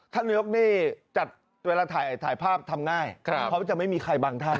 นายกนี่จัดเวลาถ่ายภาพทำง่ายเพราะจะไม่มีใครบางท่าน